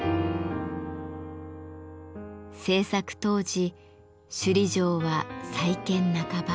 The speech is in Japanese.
制作当時首里城は再建半ば。